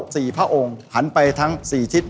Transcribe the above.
พระองค์หันไปทั้งสี่ทิศ